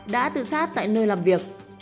đã tự sát tại nơi làm việc